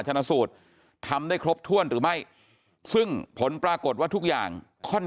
ชนะสูตรทำได้ครบถ้วนหรือไม่ซึ่งผลปรากฏว่าทุกอย่างค่อน